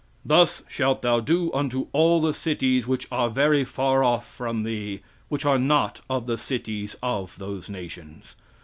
"Thus shalt thou do unto all the cities which are very far off from thee, which are not of the cities of those nations.